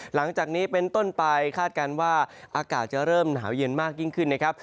หลังจากนี้เป็นต้นไปคาดการณ์ว่าอากาศจะเริ่มหนาวเย็นมากยิ่งขึ้นนะครับ